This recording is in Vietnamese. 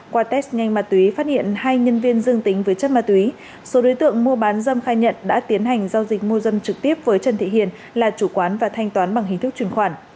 qua test nhanh ma túy phát hiện hai nhân viên dương tính với chất ma túy số đối tượng mua bán dâm khai nhận đã tiến hành giao dịch mua dâm trực tiếp với trần thị hiền là chủ quán và thanh toán bằng hình thức chuyển khoản